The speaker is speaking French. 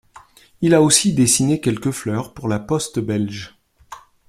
Il a aussi dessiné quelques fleurs pour La Poste belge.